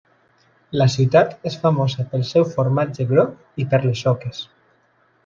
La ciutat és famosa pel seu formatge groc i per les oques.